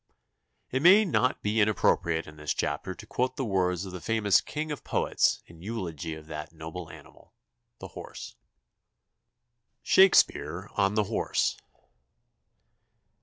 It may not be inappropriate in this chapter to quote the words of the famous king of poets in eulogy of that noble animal, the horse. SHAKESPEARE ON THE HORSE.